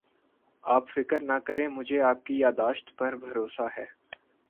آپ فکر نہ کریں مجھے آپ کی یاد داشت پر بھروسہ ہے